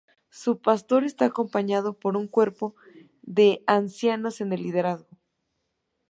Su pastor está acompañado por un cuerpo de ancianos en el liderazgo.